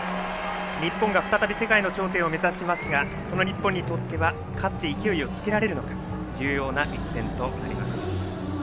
日本が再び世界の頂点を目指しますがその日本にとっては勝って勢いをつけられるのか重要な一戦となります。